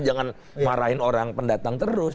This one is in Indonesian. jangan marahin orang pendatang terus